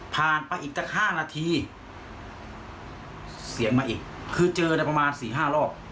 ผ่านไปอีกสักห้านาทีเสียงมาอีกคือเจอในประมาณสี่ห้ารอบ